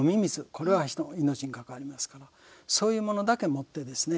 これは人の命に関わりますからそういうものだけ持ってですね